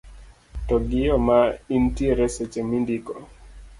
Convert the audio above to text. to gi yo ma intiere seche mindiko